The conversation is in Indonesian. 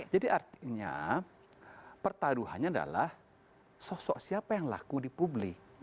jadi artinya pertaruhannya adalah sosok siapa yang laku di publik